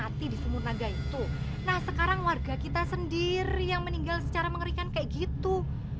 hati di sumur naga itu nah sekarang warga kita sendiri yang meninggal secara mengerikan kayak gitu